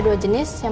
ini sudah dikirimkan